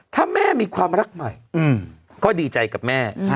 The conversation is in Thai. ถ้าแม่มีความรักใหม่ก็ดีใจกับแม่